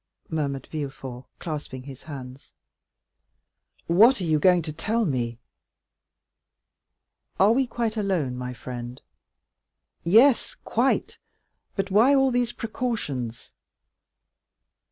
murmured Villefort, clasping his hands. "What are you going to tell me?" "Are we quite alone, my friend?" "Yes, quite; but why all these precautions?"